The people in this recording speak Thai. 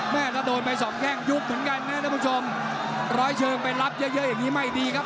แม่ถ้าโดนไปสอบแค่งยุบเหมือนกันนะครับทุกคนชมร้อยเชิงไปรับเยอะอย่างนี้ไม่ดีครับ